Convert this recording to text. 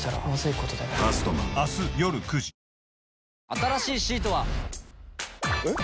新しいシートは。えっ？